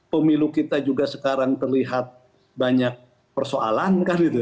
pemilu kita juga sekarang terlihat banyak persoalan